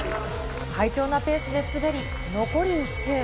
快調なペースで滑り、残り１周。